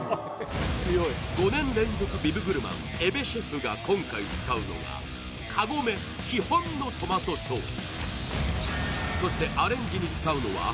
５年連続ビブグルマン、江部シェフが今回使うのはカゴメ基本のトマトソース。